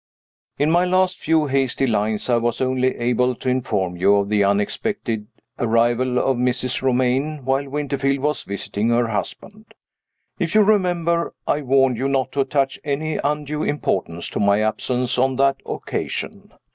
_ In my last few hasty lines I was only able to inform you of the unexpected arrival of Mrs. Romayne while Winterfield was visiting her husband. If you remember, I warned you not to attach any undue importance to my absence on that occasion.